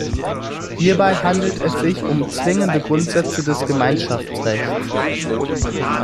Hierbei handelt es sich um zwingende Grundsätze des Gemeinschaftsrechts.